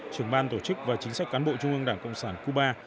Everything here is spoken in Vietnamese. trưởng ban tổ chức và chính sách cán bộ trung ương đảng cộng sản cuba